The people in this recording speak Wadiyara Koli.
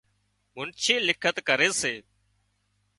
منڇي لکت ڪري سي